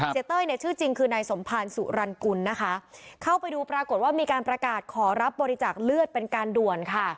เต้ยเนี่ยชื่อจริงคือนายสมภารสุรรณกุลนะคะเข้าไปดูปรากฏว่ามีการประกาศขอรับบริจาคเลือดเป็นการด่วนค่ะ